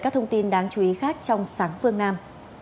các thông tin đáng chú ý khác trong sáng phương nam